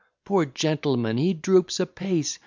Poor gentleman, he droops apace!